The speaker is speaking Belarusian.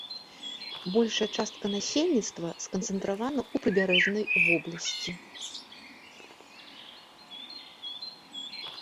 Большая частка насельніцтва сканцэнтравана ў прыбярэжнай вобласці.